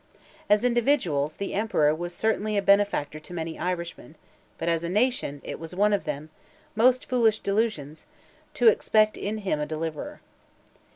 As individuals, the Emperor was certainly a benefactor to many Irishmen; but, as a nation, it was one of their most foolish delusions, to expect in him a deliverer.